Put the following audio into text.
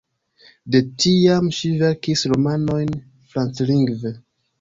De tiam ŝi verkis romanojn franclingve.